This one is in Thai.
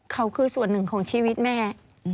เขาคือส่วนหนึ่งของชีวิตแม่